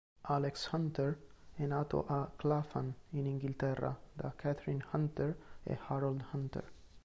Alex Hunter è nato a Clapham in Inghilterra da Catherine Hunter e Harold Hunter.